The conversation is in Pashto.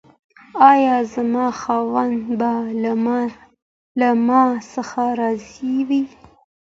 ایا زما خاوند به له ما څخه راضي وي؟